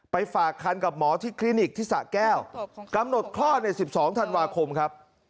ฝากคันกับหมอที่คลินิกที่สะแก้วกำหนดคลอดใน๑๒ธันวาคมครับ